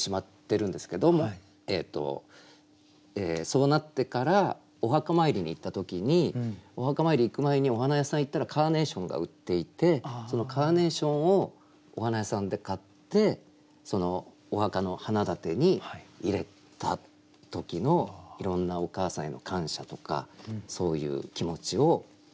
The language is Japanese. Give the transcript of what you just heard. そうなってからお墓参りに行った時にお墓参り行く前にお花屋さん行ったらカーネーションが売っていてそのカーネーションをお花屋さんで買ってお墓の花立てに入れた時のいろんなお母さんへの感謝とかそういう気持ちをうたったものです。